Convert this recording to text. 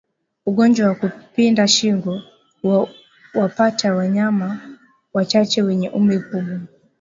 Ugonjwa wa kupinda shingo huwapata wanyama wachache wenye umri mkubwa